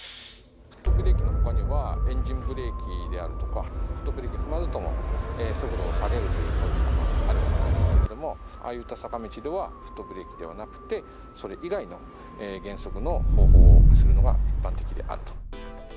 フットブレーキのほかにはエンジンブレーキであるとか、フットブレーキを踏まずとも速度を下げるという装置があるわけなんですけれども、ああいった坂道ではフットブレーキではなくて、それ以外の減速の方法をするのが一般的であると。